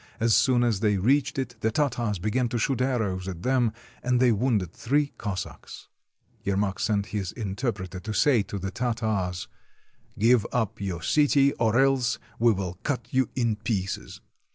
As soon as they reached it, the Tartars began to shoot arrows at them, and they wounded three Cossacks. Yermak sent his interpreter to say to the Tartars: —" Give up your city, or else we will cut you in pieces."